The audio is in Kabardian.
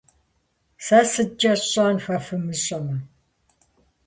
- Сэ сыткӀэ сщӀэн, фэ фымыщӀэмэ?